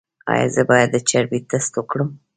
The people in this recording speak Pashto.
ایا زه باید د چربي ټسټ وکړم؟